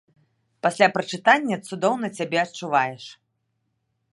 Пасля прачытання цудоўна цябе адчуваеш.